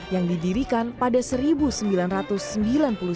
yang didirikan pada tahun seribu sembilan ratus lima belas